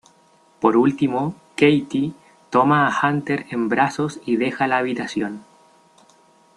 Por último, Katie toma a Hunter en brazos y deja la habitación.